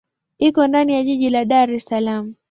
Iko ndani ya jiji la Dar es Salaam.